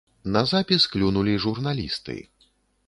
На запіс клюнулі журналісты.